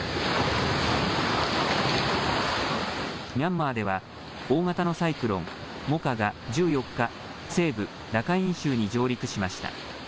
ミャンマーでは大型のサイクロン、モカが１４日、西部ラカイン州に上陸しました。